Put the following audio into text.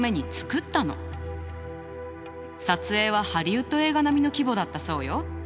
撮影はハリウッド映画並みの規模だったそうよ。